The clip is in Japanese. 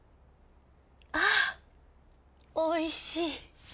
あおいしい。